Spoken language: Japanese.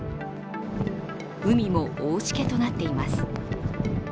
海も大しけとなっています。